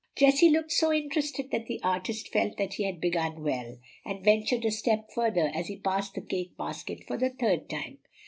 Jessie looked so interested that the artist felt that he had begun well, and ventured a step further as he passed the cake basket for the third time.